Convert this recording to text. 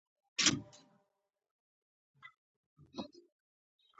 د "ض" حرف په لیکنه کې مهم دی.